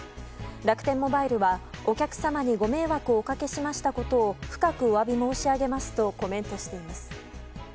楽天モバイルはお客様にご迷惑をおかけしましたことを深くお詫び申し上げますとコメントしています。